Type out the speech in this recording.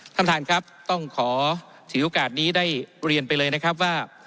ท่านประธานครับต้องขอถือโอกาสนี้ได้เรียนไปเลยนะครับว่า